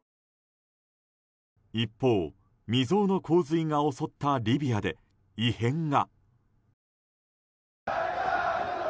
一方、未曽有の洪水が襲ったリビアで異変が。